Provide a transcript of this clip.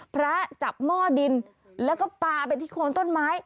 พระจับหม้อดินแล้วก็ปลาไปที่โคนต้นไม้